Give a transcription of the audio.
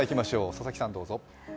佐々木さん、どうぞ。